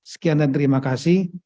sekian dan terima kasih